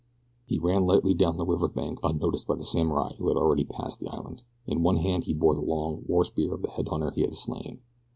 He ran lightly down the river bank unnoticed by the samurai who had already passed the island. In one hand he bore the long war spear of the head hunter he had slain.